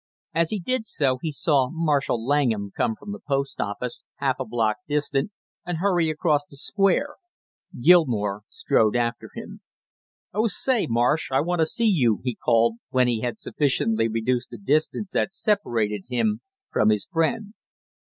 As he did so he saw Marshall Langham come from the post office, half a block distant, and hurry across the Square. Gilmore strode after him. "Oh, say, Marsh, I want to see you!" he called when he had sufficiently reduced the distance that separated him from his friend.